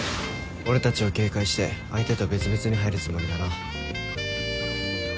俺たちを警戒して相手と別々に入るつもりだな。